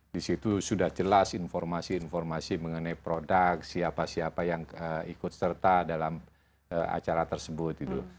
di situ sudah jelas informasi informasi mengenai produk siapa siapa yang ikut serta dalam acara tersebut gitu